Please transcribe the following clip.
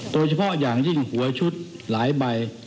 โดยเฉพาะอย่างยิ่งหัวชุดหลายใบ